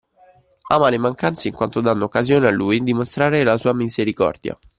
Ama le mancanze in quanto danno occasione a Lui di mostrare la sua misericordia.